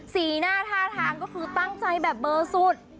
สีหน้าท่าทางก็คือตั้งใจแบบเบอร์สุด